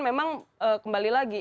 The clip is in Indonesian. memang kembali lagi